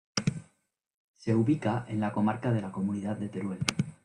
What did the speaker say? Se ubica en la comarca de la Comunidad de Teruel.